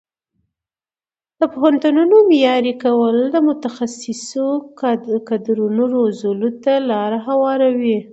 د پوهنتونونو معیاري کول د متخصصو کادرونو روزلو ته لاره هواروي.